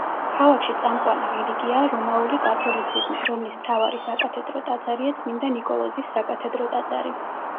ქალაქში წამყვანი რელიგიაა რომაული კათოლიციზმი, რომლის მთავარი საკათედრო ტაძარია წმინდა ნიკოლოზის საკათედრო ტაძარი.